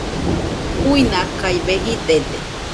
Uinakaibe jidede